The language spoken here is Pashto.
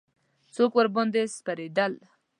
څوک ورباندې سپرېدل.